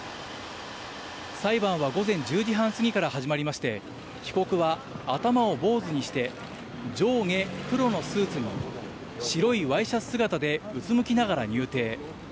裁判は午前１０時半過ぎから始まりまして、被告は頭を坊主にして、上下黒のスーツの白いワイシャツ姿でうつむきながら入廷。